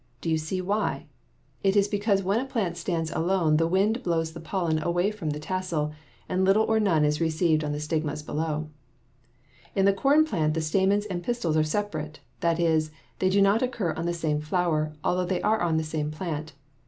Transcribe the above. Do you see why? It is because when a plant stands alone the wind blows the pollen away from the tassel, and little or none is received on the stigmas below. [Illustration: FIG. 35. CUCUMBER BLOSSOMS] In the corn plant the stamens and pistils are separate; that is, they do not occur on the same flower, although they are on the same plant.